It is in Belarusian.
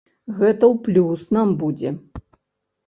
Гэта ў плюс нам будзе.